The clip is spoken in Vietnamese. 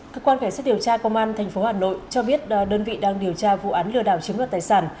các quan khai sát điều tra công an tp hà nội cho biết đơn vị đang điều tra vụ án lừa đảo chiếm được tài sản